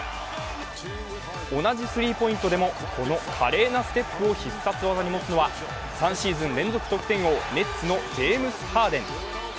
同じスリーポイントでもこの華麗なステップを必殺技に持つのは３シーズン連続得点王、メッツのジェームス・ハーデン。